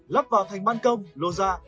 lắp vào thành bàn công lô ra